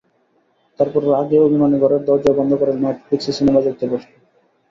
তারপর রাগে, অভিমানে ঘরের দরজা বন্ধ করে নেটফ্লিক্সে সিনেমা দেখতে বসল।